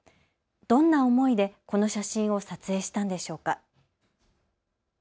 どんな思いで、この写真を撮影したんでしょうか。